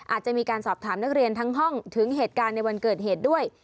อาจจะมีการสอบถามนักเรียนทั้งห้องถึงเหตุการณ์ในวันเกิดเหตุด้วย